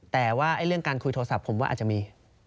แต่ว่าเรื่องการคุยโทรศัพท์ผมว่าอาจจะมี